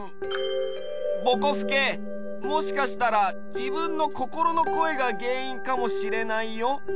ぼこすけもしかしたらじぶんのこころのこえがげんいんかもしれないよ。